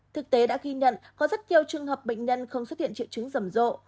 thực tế đã ghi nhận có rất nhiều trường hợp bệnh nhân không xuất hiện triệu chứng rầm rộ